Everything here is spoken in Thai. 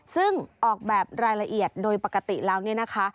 ซึ่งออกแบบรายละเอียดโดยปกติแล้วเนี่ยนะคะ